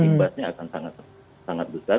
imbasnya akan sangat besar